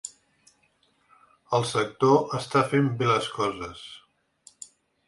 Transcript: El sector ‘està fent bé les coses’